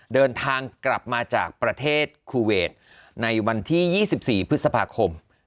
เดินทางกลับมาจากประเทศคูเวทในวันที่๒๔พฤษภาคม